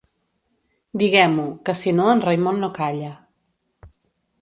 Diguem-ho, que si no en Raimon no calla.